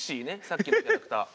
さっきのキャラクター。